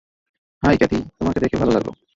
High Kathy, তোমাকে দেখে ভালো লাগল!